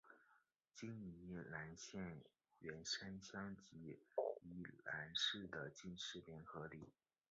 今宜兰县员山乡及宜兰市的进士联合里。